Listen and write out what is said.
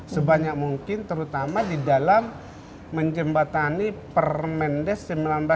sebanyak mungkin terutama di dalam menjembatani permendes sembilan belas dua ribu tujuh belas